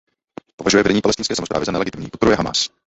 Považuje vedení palestinské samosprávy za nelegitimní, podporuje Hamás.